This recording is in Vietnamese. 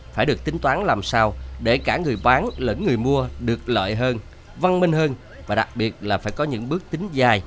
phải được tính toán làm sao để cả người bán lẫn người mua được lợi hơn văn minh hơn và đặc biệt là phải có những bước tính dài